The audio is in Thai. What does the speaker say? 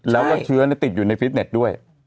แล้วก็เชื้อติดอยู่ในฟิตเน็ตด้วย